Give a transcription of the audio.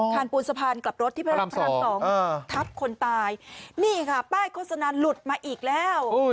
คานปูนสะพานกลับรถที่พระราม๒ทับคนตายนี่ค่ะป้ายโฆษณาหลุดมาอีกแล้วโอ้ย